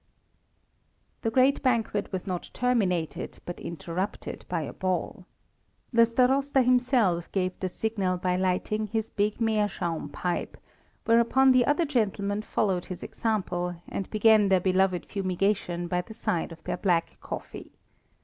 The grand banquet was not terminated, but interrupted by a ball. The Starosta himself gave the signal by lighting his big meerschaum pipe, whereupon the other gentlemen followed his example, and began their beloved fumigation by the side of their black coffee.